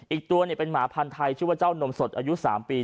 อีกตัวเป็นหมาพันธ์ไทยชื่อว่าเจ้านมสดอายุ๓ปี